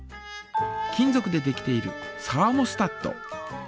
金ぞくでできているサーモスタット。